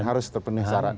harus terpenuhi syarat